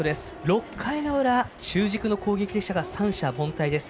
６回の裏中軸の攻撃でしたが三者凡退です。